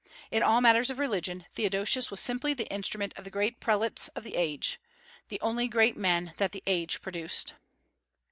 In all matters of religion Theodosius was simply the instrument of the great prelates of the age, the only great men that the age produced.